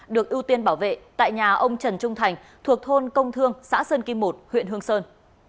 được ưu tiên bảo vệ tại nhà ông trần trung thành thuộc thôn công thương xã sơn kim một huyện hương sơn